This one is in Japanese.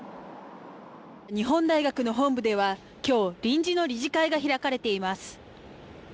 日本大学の本部では今日、臨時の理事会が開かれています。